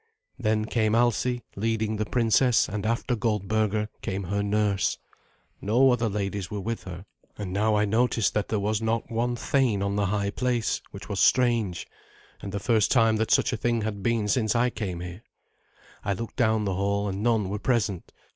Then came Alsi, leading the princess, and after Goldberga came her nurse. No other ladies were with her; and now I noticed that there was not one thane on the high place, which was strange, and the first time that such a thing had been since I came here. I looked down the hall, and none were present.